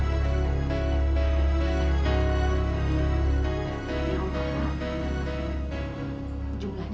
saya tidak hari ini